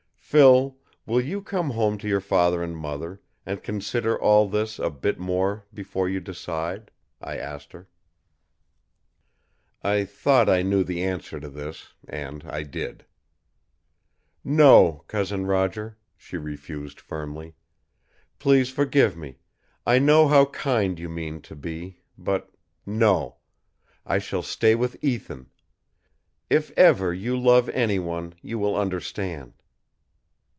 "Phil, will you come home to your father and mother, and consider all this a bit more before you decide?" I asked her. I thought I knew the answer to this, and I did. "No, Cousin Roger," she refused firmly. "Please forgive me. I know how kind you mean to be, but no! I shall stay with Ethan. If ever you love anyone, you will understand."